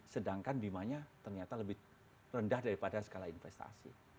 sedangkan bima nya ternyata lebih rendah daripada skala investasi